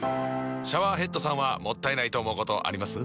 シャワーヘッドさんはもったいないと思うことあります？